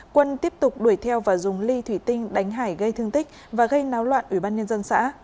quân tiếp tục đuổi theo và dùng ly thủy tinh đánh hải gây thương tích và gây náo loạn ủy ban nhân dân xã